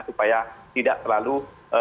supaya tidak terlalu